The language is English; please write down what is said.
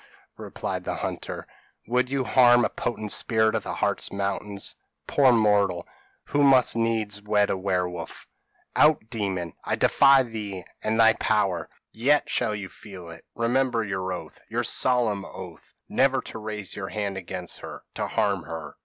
replied the hunter, 'would you harm a potent spirit of the Hartz Mountains. Poor mortal, who must needs wed a werewolf.' "'Out, demon! I defy thee and thy power.' "'Yet shall you feel it; remember your oath your solemn oath never to raise your hand against her to harm her.'